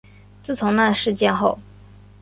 自从那事件后